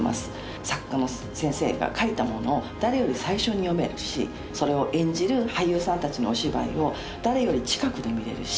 作家の先生が書いたものを誰より最初に読めるしそれを演じる俳優さんたちのお芝居を誰より近くで見れるし。